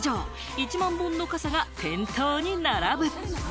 １万本の傘が店頭に並ぶ。